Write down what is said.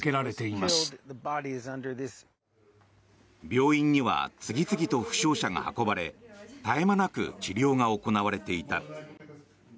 病院には次々と負傷者が運ばれ絶え間なく治療が行われていた。